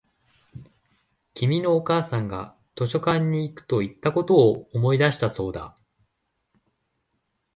君のお母さんが図書館に行くと言ったことを思い出したそうだ